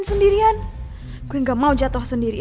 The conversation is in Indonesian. terus beranggapan yang memang eighth edther learning